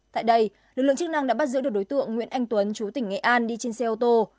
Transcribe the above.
tại đây lực lượng chức năng đã bắt giữ được đối tượng nguyễn anh tuấn chú tỉnh nghệ an đi trên xe ô tô